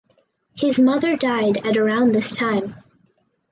His mother died at around this time.